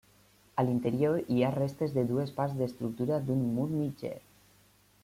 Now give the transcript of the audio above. A l'interior hi ha restes de dues parts d'estructura, d'un mur mitger.